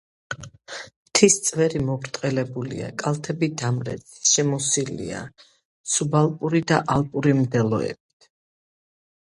მთის წვერი მობრტყელებულია, კალთები დამრეცი, შემოსილია სუბალპური და ალპური მდელოებით.